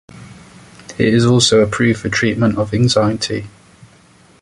It is also approved for treatment of anxiety.